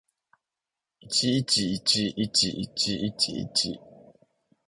ｌｌｌｌｌｌｌ